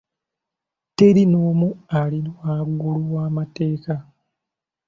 Teri n'omu ali waggulu wa'amateeka.